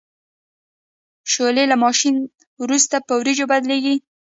شولې له ماشین وروسته په وریجو بدلیږي.